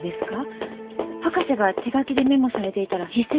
博士が手書きでメモされていたら筆跡が同じですし。